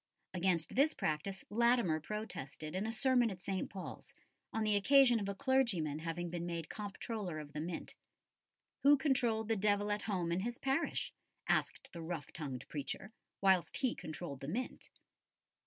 Against this practice Latimer protested in a sermon at St. Paul's, on the occasion of a clergyman having been made Comptroller of the Mint. Who controlled the devil at home in his parish, asked the rough tongued preacher, whilst he controlled the Mint?